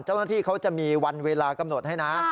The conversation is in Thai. เจ้าหน้าที่เขาจะมีวันเวลากำหนดให้นะ